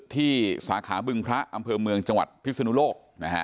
สาขาบึงพระอำเภอเมืองจังหวัดพิศนุโลก